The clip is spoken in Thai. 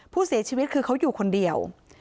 ผู้เสียชีวิตคือเขาอยู่คนเดียว